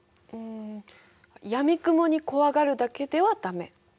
うんやみくもに怖がるだけでは駄目。